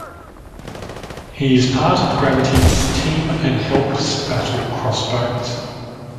He is part of Gravity's team and helps battle Crossbones.